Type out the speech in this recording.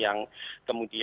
yang lainnya adalah